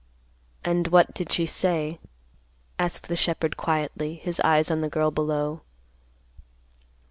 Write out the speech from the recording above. "And what did she say?" asked the shepherd quietly, his eyes on the girl below.